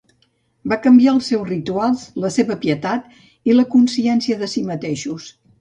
Va canviar els seus rituals, la seva pietat i la consciència de si mateixos.